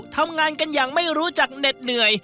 ทำงานกันอย่างไม่รู้จักเหน็ดเหนื่อย